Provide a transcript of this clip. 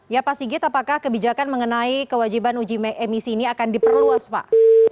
ya pak sigit apakah kebijakan mengenai kewajiban uji emisi ini akan diperluas pak